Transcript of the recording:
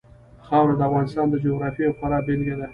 خاوره د افغانستان د جغرافیې یوه خورا غوره بېلګه ده.